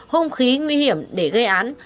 hông khí nguy hiểm để gây án